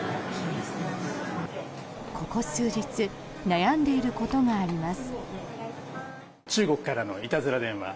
ここ数日悩んでいることがあります。